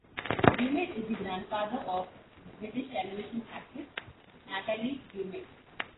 Gumede is the grandfather of British television actress, Natalie Gumede.